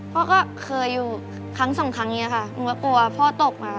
พ่อก็เคยอยู่ครั้งสองครั้งนี้ค่ะหนูก็กลัวพ่อตกมา